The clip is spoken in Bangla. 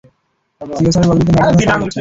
সিও স্যারের বদৌলতে ম্যাডাম এবার স্যার হয়ে যাচ্ছেন।